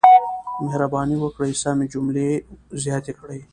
مهرباني وکړئ سمې جملې زیاتې کړئ.